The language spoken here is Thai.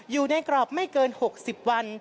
อยู่ในกรอบไม่เกิน๖๐วัน